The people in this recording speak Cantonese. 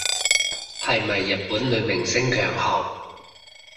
係咪日本女明星強項